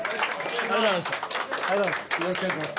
ありがとうございます